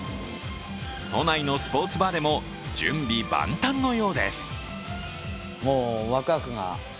都内のスポーツバーでも準備万端のようです。